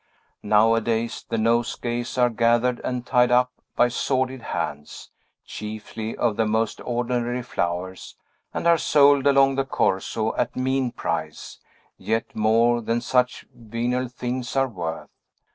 Nowadays the nosegays are gathered and tied up by sordid hands, chiefly of the most ordinary flowers, and are sold along the Corso, at mean price, yet more than such Venal things are worth.